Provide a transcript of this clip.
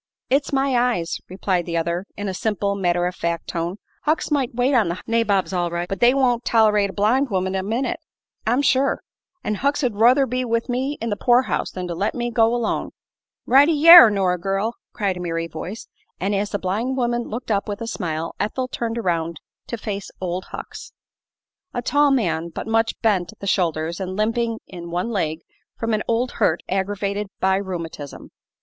"It's my eyes," replied the other, in a simple, matter of fact tone. "Hucks might wait on the nabobs all right, but they won't tol'rate a blind woman a minute, I'm sure. An' Hucks 'd ruther be with me in the poor house than to let me go alone." "Right y' air, Nora girl!" cried a merry voice, and as the blind woman looked up with a smile Ethel turned around to face "Old Hucks." A tall man, but much bent at the shoulders and limping in one leg from an old hurt aggravated by rheumatism.